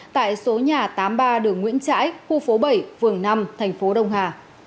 tại số nhà tám mươi ba đường nguyễn trãi khu phố bảy phường năm thành phố đông hà